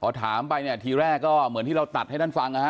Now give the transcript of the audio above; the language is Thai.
พอถามไปเนี่ยทีแรกก็เหมือนที่เราตัดให้ท่านฟังนะฮะ